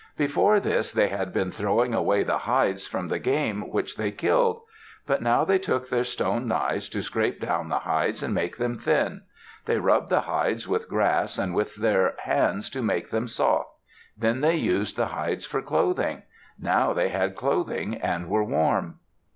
Before this, they had been throwing away the hides from the game which they killed. But now they took their stone knives to scrape down the hides and make them thin. They rubbed the hides with grass and with their hands to make them soft. Then they used the hides for clothing. Now they had clothing and were warm.